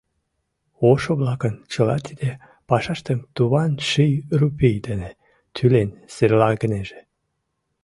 Ошо-влакын чыла тиде пашаштым туван ший рупий дене тӱлен серлагынеже...